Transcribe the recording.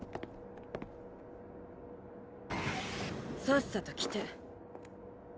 さっさと着て。